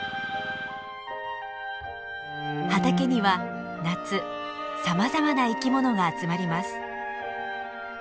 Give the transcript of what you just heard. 畑には夏さまざまな生きものが集まります。